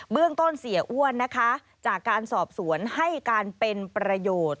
เรื่องต้นเสียอ้วนนะคะจากการสอบสวนให้การเป็นประโยชน์